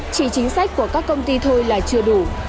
chỉ chính sách của các công ty thôi là chưa đủ